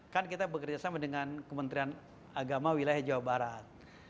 kan kita bekerjasama dengan kementerian agama wilayah jawa barat